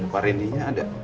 pak rendinya ada